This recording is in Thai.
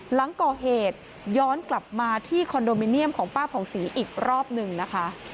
หลังก่อเหตุย้อนกลับมาที่คอนโดมิเนียมของป้าผ่องศรีอีกรอบหนึ่งนะคะ